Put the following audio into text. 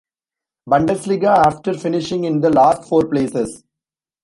Bundesliga after finishing in the last four places.